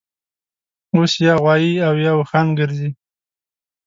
اوس یا غوایي اویا اوښان ګرځي